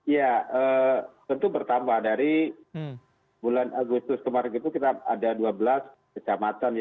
ya tentu bertambah dari bulan agustus kemarin itu kita ada dua belas kecamatan